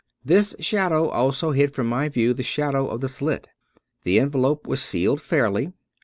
This shadow also hid from my view the shadow of the slit. The envelope was sealed fairly.